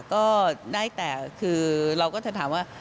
ก็ได้แต่คือเราก็จะถามว่า